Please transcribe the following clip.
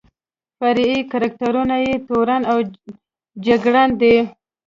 فرعي کرکټرونه یې تورن او جګړن دي.